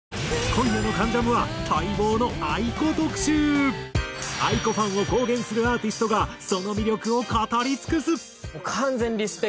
今夜の『関ジャム』はａｉｋｏファンを公言するアーティストがその魅力を語りつくす！